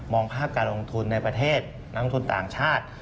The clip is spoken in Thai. องภาพการลงทุนในประเทศนักลงทุนต่างชาติ